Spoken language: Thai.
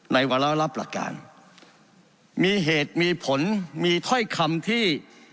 วาระรับหลักการมีเหตุมีผลมีถ้อยคำที่